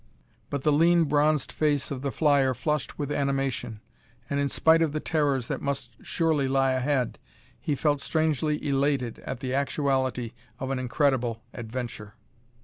But the lean bronzed face of the flyer flushed with animation, and in spite of the terrors that must surely lie ahead he felt strangely elated at the actuality of an incredible adventure.